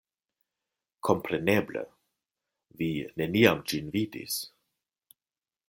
Kompreneble, vi neniam ĝin vidis.